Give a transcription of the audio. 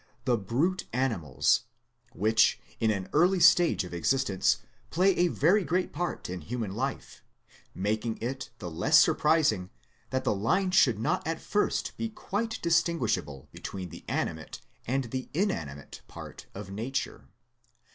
the brute animals, which in an early stage of existence play a very great part in human life ; making it the less surprising that the line should not at first be quite distinguishable be tween the animate and the inanimate part of Nature.